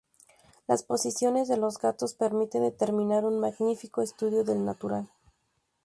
Las posiciones de los gatos permiten determinar un magnífico estudio del natural.